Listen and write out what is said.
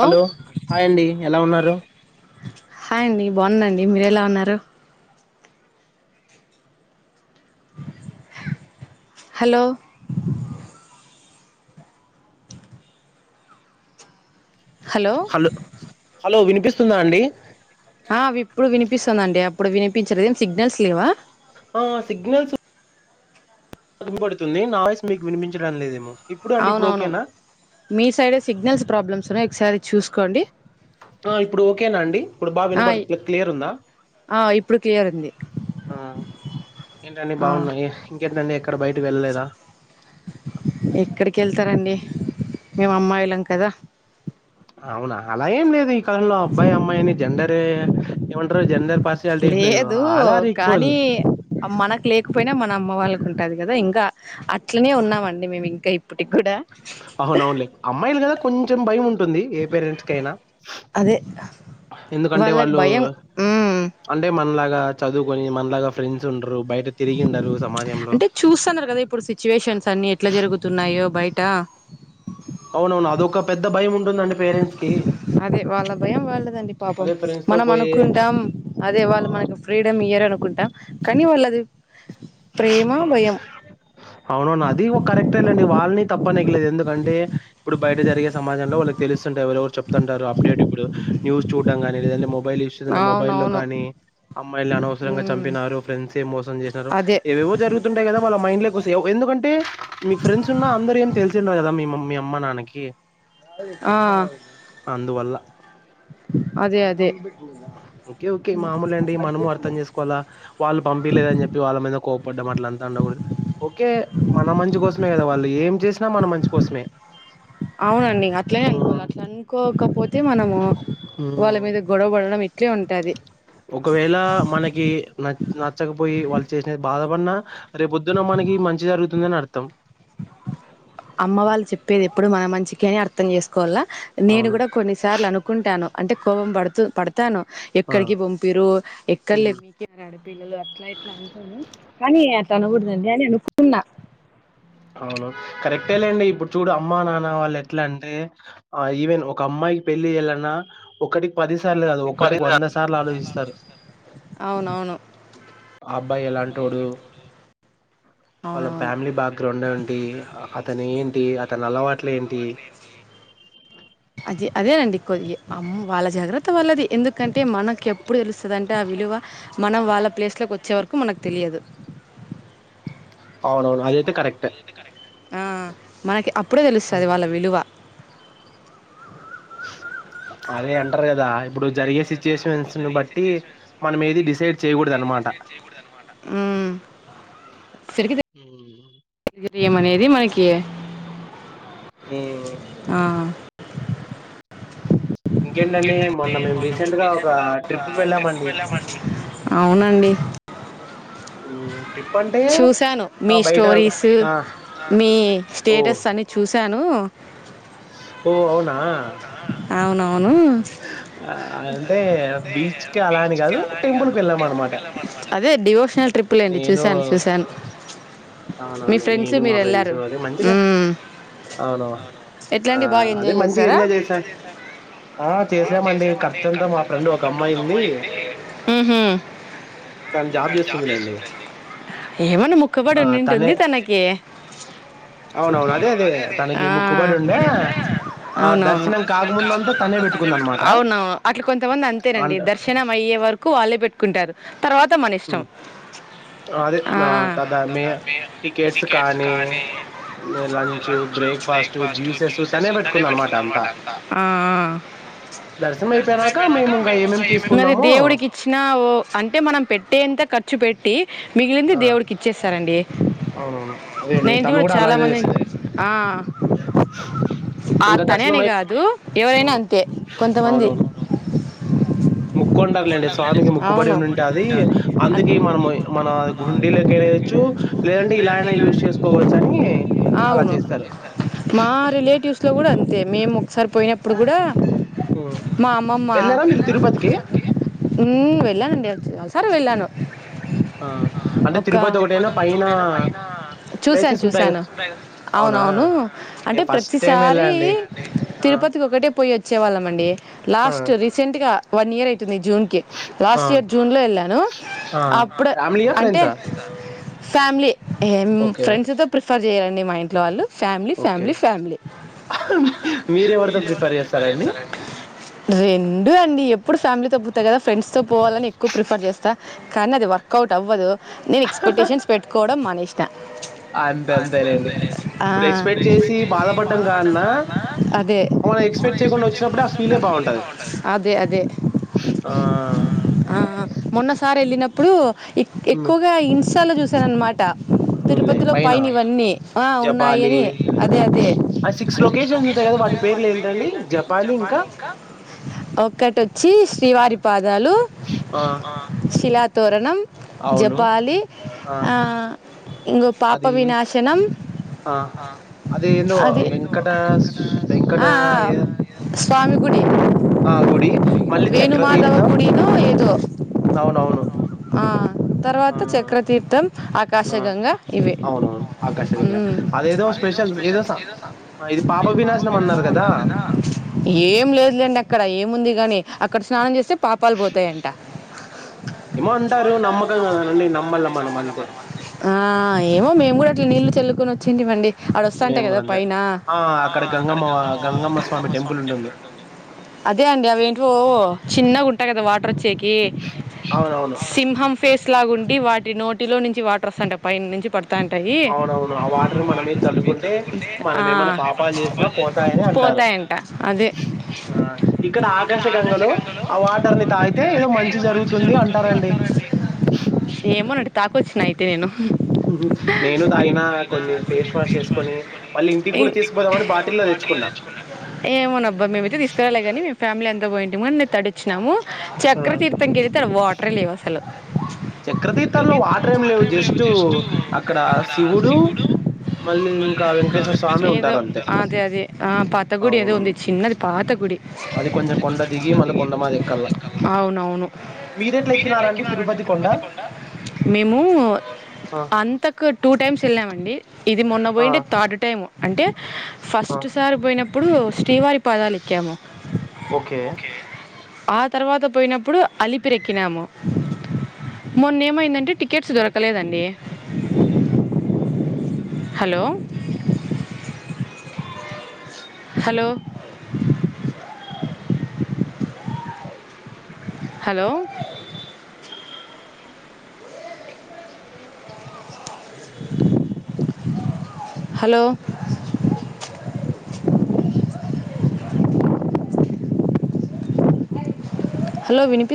Hello hi అండి ఎలా ఉన్నారు హాయండి బాగుందండి మీరు ఎలా ఉన్నారు హలో హలో హలో వినిపిస్తుందా అండి ఆ ఇప్పుడు వినిపిస్తుందిండి అప్పుడు వినిపించలేద్ సిగ్నల్స్ లేవా ఆ సిగ్నల్స్ వినపడుతుంది నా వాయిస్ మీకు వినిపించడం లేదేమో ఇప్పుడు అండి ఇప్పుడు అవునవును ఓకేనా మీ సైడ్ే సిగ్నల్స్ ప్రాబ్లమ్స్ ఉన్నాయి ఒకసారి చూసుకోండి ఆ ఇప్పుడు ఓకేనా అండి ఇప్పుడు బా ఆ ఇ- వినబడుతుందా క్లియర్ ఉందా ఆ ఇప్పుడు క్లియర్ ఉంది ఆ ఏంటండి ఆ బాగున్నాయి ఇంకేంటండి ఎక్కడ బయటికి వెళ్ళలేదా ఎక్కడికేళ్తారండి మేము అమ్మాయిళం కదా అవునా అలా ఏం లేదు ఈ కాలంలో అబ్బాయి అమ్మాయని జెండర్ ఏమంటారు జెండర్ పార్షియాలిటీ ఏం లేదు ఆల్ ఆర్ ఈక్వల్ కానీ మనకు లేకపోయినా మన అమ్మ వాళ్ళకు ఉంటది కదా ఇంకా అట్లనే ఉన్నామండి మేము ఇంకా ఇ అవునవునులే అమ్మాయిలు కదా కొంచెం భయం ఉం టుంది ఏ పేరెంట్స్ కైనా అదే ఎందుకంటే వాళ్ళకి వాళ్ళు భయం ఉమ్ అంటే మనలాగా చదువు ఓని మన లాగా ఫ్రెండ్స్ ఉండరు. బయట తిరిగిండరు సమాజంలో. అంటే చూస్తున్నారు కదా ఇప్పుడు సిచ్యువేషన్స్ అన్ని ఎట్లా జరుగుతున్నాయో బయ ట అవునవును అదొక పెద్ద భయం ఉంటుందండి పేరెంట్స్ కి అదే వాళ్ళ భయం వాళ్ళదండి పాపం ఫ్రెండ్స్‌తో మనం పోయి అనుకుంటాం అదే ఆ! వాళ్ళు మనకి ఫ్రీడమ్ ఈయ ఏరరునుకుంటా కనీ వాళ్ళది ప్రేమ భయం అవునవును అది ఒక కరెక్టే నండి వాళ్ళని తప్పు అనేకి లేదు. ఎందుకంటే ఇప్పుడు బయట జరిగే సమాజంలో వాళ్ళకి తెలుస్తుంటాయ్ ఎవరవరు చెప్తుంటారు అప్డేట్ ఇప్పుడు న్యూస్ చూడం కానీ లేదంటే మొ బైల్ యూస్ చేసిన్నే మొబైల్ లో అవునవును కానీ, అమ్మాయిల్ని అనవసరంగా ఉమ్ చంపినారు, ఫ్రెండ్స్ ఏ మోసం చేసినారు. అదే ఏవెవో జరుగుతుంటయ్ కదా వాళం మైండ్ లో వసే ఎందుకంటే మీకు ఫ్రెండ్స్ ఉన్నా, అందర ఏం తెలిసిండదు కదా మీ మీ అమ్మ నాన్నకి ఆ అందువల్ల. అదే అదే ఓకే ఓకే మాముూలు అండి మనము అర్ధం చేసుకోలా వాళ్ళ పంపిలేదని చెప్పి వాళ్ళ మీద కోపడ్డం అట్ల అంతా ఉండం ఓకే మన మంచి కోసమే కదా వాళ్ళు ఏం చేసినా మన మంచి కోసమే అవునండి అట్లనే హ్మ్. అనుకోవాల అట్లా అనుకోకపోతే మనము వాళ్ళ హ్మ్. మీద గొడవ బడడమే ఒకవేళ మనకి నచ్ నచ్చకపోయి వాళ్ళు చేసిన బాధపడిన రేపొద్దున మనకి మంచి జరుగుతుంది అని అర్థం అమ్మ వాళ్ళు చెప్పేది ఎప్పుడు మన మంచికే అని అర్థం చేసుకోవాల నేను అవును. కూడా కొన్నిసార్లు అనుకుంటాను అంటే కోపం పడుతూ పడు తాను ఆ! ఎక్కడికి పంపిరు ఎక్కడ లే హ్మ్. మీకు ఆడపిల్లలు అట్లా ఇట్లా అంటాను కానీ ఏ అట్లా హ్మ్. అనకూడదండి అని అనుకుంటన్నా అవును కరెక్టే లేండి ఇప్పుడు చూడు అమ్మా నాన్న వాళ్ళు ఎట్లా అంటే ఈవెన్ ఒక అమ్మా అమ్మయికి పెళ్లి చేయళ్ళన్నా ఒక్కటి పది సార్లు కాదు ఒక్కటికి వంద సార్లు ఆలోచిస్తారు. అవునవును అబ్బాయి ఎలాంటోడు వాళ్ళ అవునవును ఫ్యామిలీ బాగా రొండంటి అతను ఏంటి అతని అలవాట్లు ఏంటి అది అదేనండి కొయ్యి అమ్ వాళ్ళ జాగ్రత్త వాళ్లది ఎందుకంటే మనకి ఎ ప్పుడు తెలుస్తుందంటే ఆ విలువ మనం వాళ్ళ ప్లేస్లోకి వచ్చే వరకు మనకు తెలియదు. అవునవును అది అయితే కరెక్టే ఆ మనకి అప్పుడే తెలుస్తది వాళ్ళ విలువ వాణి మిస్స అదే అంటారు కదా ఇప్పుడు జరిగే సిచ్యుయేషన్స్ ను బట్టి మనం ఏది డిసైడ్ చేయ్యకూడదు. నుమాట ఉమ్ తిరిగి ఏమనేది మనకి ఉ ఆ ఇంకేంటండి మొన్న మేము రీసెంట్ గా ఒక ట్రిప్కి వెళ్ళామండి. అండి మ్ ట్రిప్ అంటే ఆ బయట స్టోరీస్ ఆ మీ ఓ స్టేటస్ అన్ని చూశాను ఓ అవునా అవునవును ఆ అంటే బీచ్కే అలా అని కాదు టెంపుల్ కి వెళ్ళాం అన్నమాట అదే డివోషనల్ ట్రిప్పుప్లేండి చూశాను చూశాను మీ అవునవును ఫ్రెండ్స్ నేను మా మీరు ఫ్రెండ్స్ వెళ్ళారు అదే మంచిగా మ్మ్. అవునవును ఎట్లా ఆ అండి బాగా అదే ఎంజాయ్ మంచిగా చేశారా ఎంజాయ్ చేశాన్ ఆ చేసామండి ఖర్చంత మా ఫ్రెండ్ ఒక అమ్మాయి ఉంది మ్హూ. తను జాబ్ చేస్తుందిలేండి ఏమన్నా ముక్కబడి ఆ తనే అవునవును అదే అదే ఆ ఆహ్, అవునవును ను దర్శనం కాకముందంతా తనే పెట్టుకుందనమాట. అవునవును అట్లా కొంతమంది అంతేనండి అండ్ దర్శనం అయ్యే వరకు వాళ్ళే పెట్టుకుం టారు తర్వాత మన ఇష్టం హ్మ్. అదే ఆ నా తద ఇంకా మే దానిమీద టికెట్స్ కానీ అదే lunch, lunch breakfast, breakfast juices తనే పెట్టుకుందనమాట అంతా. పెట్టుకుందన్నమట ఆ ఆ దర్శనం అయిపోయినాక అయిపోయినాకా మేమింకా మేము ఏమేం ఇంగ మరి తీసుకున్నామో దేవుడికిచ్చిన ఓ అంటే మనం పెట్టేంత క ఖర్చు పెట్టి మిగిలింది ఆ! దేవుడికి ఇచ్చేస్తారండి అవునవును అదే అండి నేను తను కూడా చాలా అలాగనే మంది చేసింది ఆ, ఆ ఇంకా తనే అని దర్శనమై కాదు ఎవరైనా హ్మ్. అంతే కొంతమంది ముక్కుంటారులేండి స్వామికి ముక్కుబడి అవును ఉండి ఉంటది అందుకే మనం మన అ గుండీలకైనేయొచ్చు లేదంటే ఇలా అయినా యూజ్ చేసుకోవచ్చు అని అవును మా రిలేటివ్స్ లో కూడా అంతే మేము ఒకసారి పోయినప్పుడు కూడా హ్మ్. మా అమ్మమ్మ వెళ్లారా మీరు తిరుపతికి? మ్ వెళ్ళనండి అక్టువల్ సరి వెళ్ళాను ఆ! అంటే ఒక తిరుపతి ఒకటేనా పైన చూసాను ప్లేసెస్ ఉంటాయిగా? చూసాను అవునా? అవునవును అంటే నేను ఫస్ట్ టైమ్ వెళ్ళా ప్రతిసారి అండి. ఆ! తిరుపతికి ఒకటే పోయోచ్చేవా ళ్ళమండి ఆ! లాస్ట్ రీసెంట్ గా వన్ ఇయర్ అయి తుంది జూన్ కి ఆ! లాస్ట్ ఇయర్ జూన్ లో వెళ్ళాను ఆ! అప్పుడు ఫ్యామిలీయా? అంటే ఫ్రెండ్సా? ఫ్యామిలీ ఎం ఓకే. ఫ్రెండ్స్ తో ప్రిఫర్ చేయ్యారండి మా ఇంట్లో వాళ్ళు ఫ్యామిలీ ఓకే. ఫ్యామిలీ ఫ్యామిలీ మీరెవరితో మేరెవరితో ప్రిఫర్ చేస్తారండి? చెత్తరండి రెండు అండి ఎ ప్పుడు ఫ్యామిలీతో పోత కదా ఫ్రెండ్స్తో పోవాలని ఎక్కువ ప్రిఫర్ చేస్తా కానీ అది వర్కౌట్ అవ్వదు నేను ఎక్స్ప్టేషన్ పెట్టుకోవడం మానేష్ అంతే అంతేలేండి ఆ ఇప్పుడు ఎక్స్పెక్ట్ చేసి బాధపడ్డం కాన్నా అదే మనం ఎక్స్పెక్ట్ చే కుండా వచ్చినప్పుడే ఆ ఫీలే బాగుంటది అదే అదే ఆ ఆ మొన్నసారి వెళ్ళినప్పుడు ఎక్ ఉమ్, ఎక్కువగా ఇన్స్టాలో చూసానన్నమా ట అవునులే తిరుపతిలో పైన పైనివన్నీ ఆ ఉన్నాయి జపాలి అని అదే అదే ఆ సిక్స్ లొకేషన్స్ ఉంటాయి కదా వాటి పేర్లు ఏంటండి ఏంటండీ జపాలి ఇంకా ఒక్కటిచ్చి శ్రీవారి పాదాలు ఆ శిలా తోరణం అవును జపాలి ఆ ఇంగో పా అది పవినాశనం ఆ అది ఏందో అదే వెంకట వెంకట ఆ ఆ ఏదో స్వామి గుడి ఆ గుడి మళ్ళీ వేణుమాదావ చక్రతీర్థం గుడినో ఏదో అవునవును ఆ ఆ, తర్వాత చక్రతీర్థం ఆ, ఆకాశగంగా ఇవే అవునవును ఆకాశగంగా మ్ అదేదో స్పెషల్ ఏదస పాపవినాశనం అన్నారు కదా ఏం లేదులేండి అక్కడ ఏముంది గాని అక్కడ స్నానం చేస్తే పాపాలు పోతాయంట ఏమో అంటారు నమ్మకం కదానండి నమ్మల్ల మనం అంతే ఆ ఏమో మేము కూడా అట్లా నీళ్లు చల్లుకుొని వచ్చింటివండి అడ వస్తాటై మేము కదా కూడా అంతే పైన ఆ అ అక్కడ గంగమ్మ వాళ్ళు స్వామి టెంపుల్ గం ఉంటుంది అదే అండి అవేంటి వో చిన్న గు కదా వాటర్ వచ్చేకి అవునవును సింహం ఫేస్ లా ఉండి వాటి నో టిలో నుంచి వాటర్ ఒస్తంటే అవునవును ఆ వాటర్ మనమిన చల్లుకుంటే ఆ మనమేన్నా పాపాలు చేసినా పో పోతాయని పోతాయి. అంటారు పోతాయంట అదే ఇక్కడ ఆకాశ గంగలో ఆ వాటర్ తా అయితే ఏదో మంచి జరుగుతుంది అంటారండి ఏమోనండి తాకొచ్చిన అయితే నేను నేను తాగిన కొన్ని ఫేస్ వాష్ చేసుకోని మళ్ళీ ఇంటికి కూడా తీసుకుపోదామని బాటిలో ఏమోనబ్బా మేమైతే తీసుకురాలే గాని మేం ఫ్యామిలీ అంతా పోయింటిమీ అని నే తడోచ్చినాము చక్ర తీీర్థం గరితే వాట చక్రతిర్ తల్లో వాటర్ ఏం లేవు జష్ స్ట్ అక్కడ శివుడు మళ్ళీ ఇంకా వెంకటేశ్వర స్వామి ఏదో ఉంటారు అంతే స్వామి ఉంటారు అదే అదే ఆ పాత గుడి ఏదో అవునవును ఉంది చిన్నది పాత గుడి అది కొంచెం కొండ దిగి మళ్ళీ కొండ మాది ఎక్కల్ల అవునవును మీరేట్లా ఎక్కినరండి తిరుపతి కొండ మేము ఆ అంతకు టూ టైమ్స్ వెళ్ళామండి ఇది మొన్న ఆ పోఇండే థర్డ్ టైమ్ అంటే ఆ ఫస్ట్ సారి పోయినప్పుడు శ్రీవారి పాదాలేక్కాము ఓకే ఆ తర్వాత పోయినప్పుడు అలిపిరెక్కినాము మొన్న ఏమైందంటే టికెట్స్ దొరకలేదండి హలో హలో హలో హలో అ హలో వినిపి